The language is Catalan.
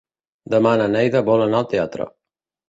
Demà na Neida vol anar al teatre.